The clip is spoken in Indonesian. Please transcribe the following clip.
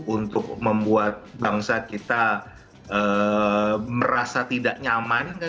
untuk membuat bangsa kita merasa tidak nyaman